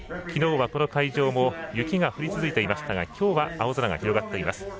昨日はこの会場も雪が降り続いていましたが今日は青空が広がっています